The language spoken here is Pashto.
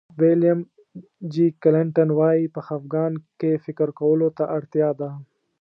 ویلیام جي کلنټن وایي په خفګان کې فکر کولو ته اړتیا ده.